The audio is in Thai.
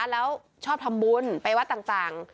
แล้วชอบทำบุญไปวัดต่าง